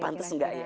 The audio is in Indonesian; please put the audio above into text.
pantes gak ya